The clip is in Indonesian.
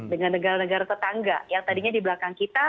dengan negara negara tetangga yang tadinya di belakang kita